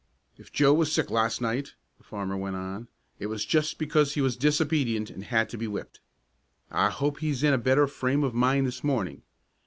"If Joe was sick last night," the farmer went on, "it was just because he was disobedient and had to be whipped. I hope he's in a better frame of mind this morning.